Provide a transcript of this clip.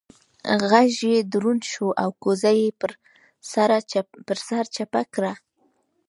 غږ يې دروند شو او کوزه يې پر سر چپه کړه.